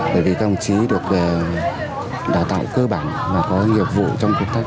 bởi vì công chí được đào tạo cơ bản và có nhiệm vụ trong công tác